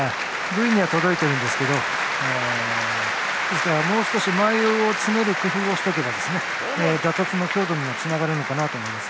面には届いているんですがもう少し間合いを詰める工夫をしておけば打突の強度につながると思います。